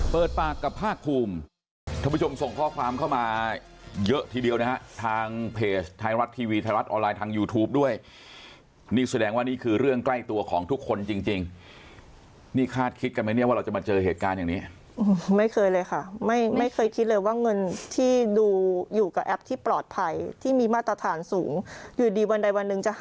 เปิดปากกับภาคภูมิท่านผู้ชมส่งข้อความเข้ามาเยอะทีเดียวนะฮะทางเพจไทยรัฐทีวีไทยรัฐออนไลน์ทางยูทูปด้วยนี่แสดงว่านี่คือเรื่องใกล้ตัวของทุกคนจริงจริงนี่คาดคิดกันไหมเนี่ยว่าเราจะมาเจอเหตุการณ์อย่างนี้ไม่เคยเลยค่ะไม่ไม่เคยคิดเลยว่าเงินที่ดูอยู่กับแอปที่ปลอดภัยที่มีมาตรฐานสูงอยู่ดีวันใดวันหนึ่งจะห